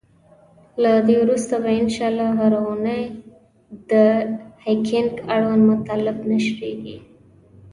له دی وروسته به ان شاءالله هره اونۍ د هکینګ اړوند مطالب نشریږی.